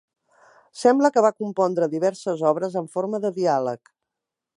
Sembla que va compondre diverses obres en forma de diàleg.